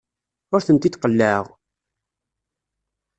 Ur tent-id-qellɛeɣ.